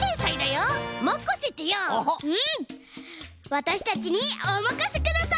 わたしたちにおまかせください！